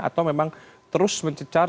atau memang terus mencecar